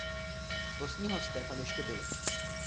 Pozdní hosté tam ještě byli.